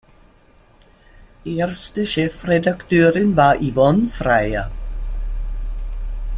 Erste Chefredakteurin war Yvonne Freyer.